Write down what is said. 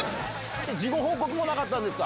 事後報告もなかったんですか？